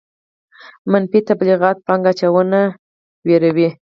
منفي تبلیغات پانګه اچوونکي ویروي.